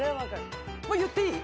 もう言っていい？